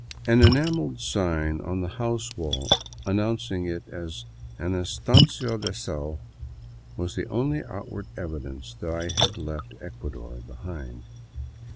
An enam elled sign on the house wall, announcing it an " Estanco de Sal," was the only outward evidence that I had left Ecuador behind.